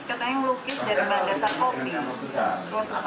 katanya melukis dari bahan dasar kopi